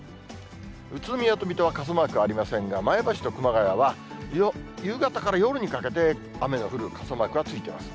宇都宮と水戸は傘マークありませんが、前橋と熊谷は夕方から夜にかけて雨の降る傘マークがついてます。